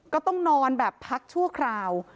ก็ต้องนอนแบบพักชั่วคราว